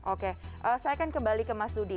oke saya akan kembali ke mas dudi